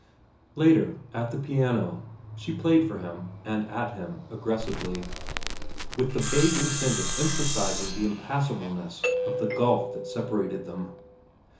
Later, at the piano, she played for him, and at him, aggressively, with the vague intent of emphasizing the impassableness of the gulf that separated them.